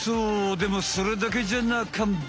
でもそれだけじゃなかんべ！